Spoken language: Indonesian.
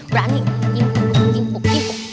berani kimpuk kimpuk kimpuk kimpuk